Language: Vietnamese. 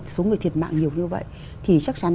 số người thiệt mạng nhiều như vậy thì chắc chắn